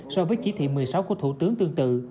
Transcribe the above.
so với chỉ thị một mươi sáu của thủ tướng tương tự